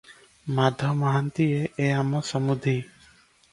ମାଧ ମହାନ୍ତିଏ ଏ ଆମ ସମୁଧି ।